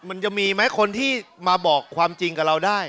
มันจะมีไหมคนที่มาบอกความจริงกับเราได้